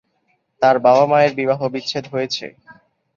তার বাবা-মায়ের বিবাহবিচ্ছেদ হয়েছে।